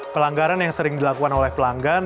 pelanggaran yang sering dilakukan oleh pelanggan